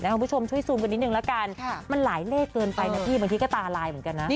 นี่คือแค่ยังเคลียร์กับแม่สูท